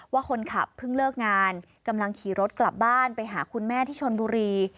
ว่าคนขับเพิ่งเลิกงานกำลังขี่รถกลับบ้านไปหาคุณแม่ที่ชนบุรี